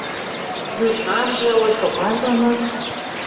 Южнамжы ойхы пар доно...